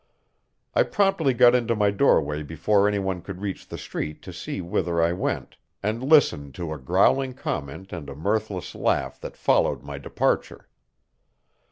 I promptly got into my doorway before any one could reach the street to see whither I went, and listened to a growling comment and a mirthless laugh that followed my departure.